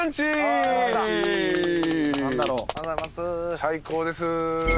最高です。